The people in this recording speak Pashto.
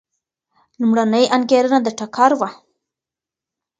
لومړنۍ انګېرنه د ټکر وه.